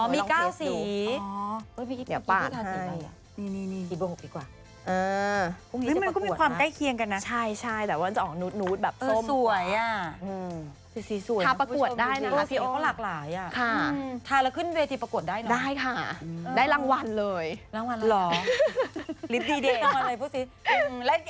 พี่โน้นลองเทสดูนี่มีความใกล้เคียงกันนะสวยอ่ะถ้าประกวดได้นะพี่โอ้ได้ค่ะได้รางวัลเลย